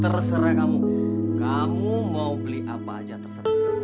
terserah kamu kamu mau beli apa aja terserah